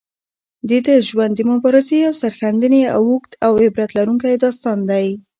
د ده ژوند د مبارزې او سرښندنې یو اوږد او عبرت لرونکی داستان دی.